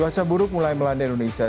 cuaca buruk mulai melanda indonesia